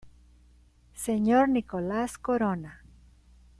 Sr. Nicolás Corona.